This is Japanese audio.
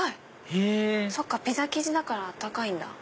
へぇそっかピザ生地だから温かいんだ。